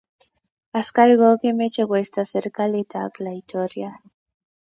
Askarik ko kimeche koista serikalit ak laitoriat